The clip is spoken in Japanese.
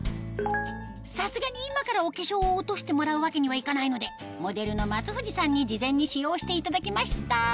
さすがに今からお化粧を落としてもらうわけにはいかないのでモデルの松藤さんに事前に使用していただきました